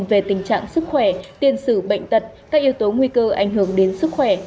về tình trạng sức khỏe tiền sử bệnh tật các yếu tố nguy cơ ảnh hưởng đến sức khỏe